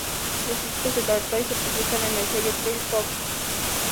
Los discos de "Tortoise" se publican en el sello Thrill Jockey.